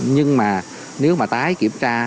nhưng mà nếu mà tái kiểm tra